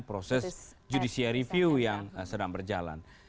proses judicial review yang sedang berjalan